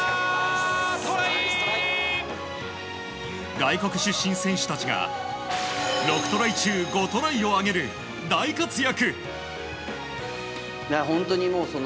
外国出身選手たちが６トライ中５トライを挙げる大活躍。